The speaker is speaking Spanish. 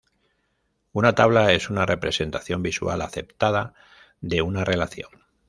Una tabla es una representación visual aceptada de una relación.